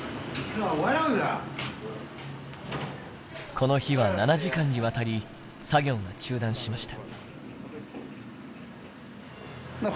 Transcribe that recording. この日は７時間にわたり作業が中断しました。